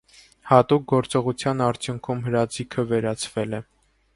Հատուկ գործողության արդյունքում հրաձիգը վերացվել է։